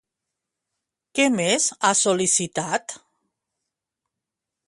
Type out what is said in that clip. Què més ha sol·licitat?